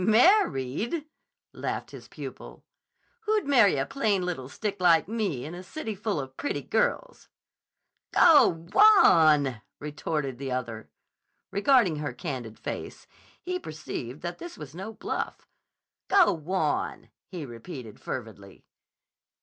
"Married!" laughed his pupil. "Who'd marry a plain little stick like me in a city full of pretty girls?" "Go wan!" retorted the other. Regarding her candid face, he perceived that this was no bluff. "Go wan!" he repeated fervidly.